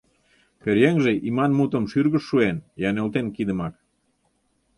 Пӧръеҥже иман мутым шӱргыш Шуэн, я нӧлтен кидымак?